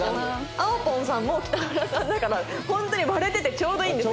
あおぽんさんも北村さんだから本当に割れててちょうどいいんですよ。